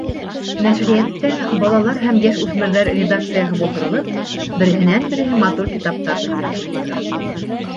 Нәшриәттә балалар һәм йәш үҫмерҙәр редакцияһы булдырылып, береһенән-береһе матур китаптар донъя күреп тора.